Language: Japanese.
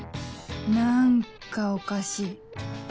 何かおかしい